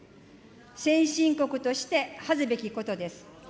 先進国として恥ずべきことです。